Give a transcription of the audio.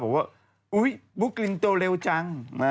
บอกว่าอุ๊ยบุ๊กลินโตเร็วจัง